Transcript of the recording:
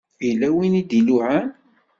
Yella win i d-iluɛan.